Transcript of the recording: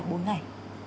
cảm ơn các bạn